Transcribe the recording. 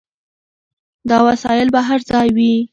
دا وسایل به هر ځای وي.